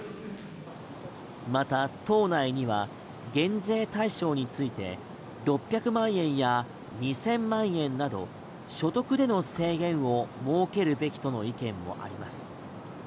また、党内には減税対象について６００万円や２０００万円など所得での制限を設けるべきとの意見もあります。